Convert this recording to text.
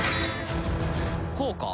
こうか？